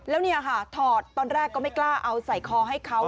แล้วเนี่ยค่ะถอดตอนแรกก็ไม่กล้าเอาใส่คอให้เขา